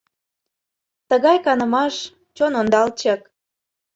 Тыгай канымаш — чон ондалчык